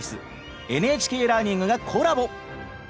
ＮＨＫラーニングがコラボ。